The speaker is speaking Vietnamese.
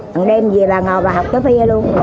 một đêm về bà ngồi bà học tới phía luôn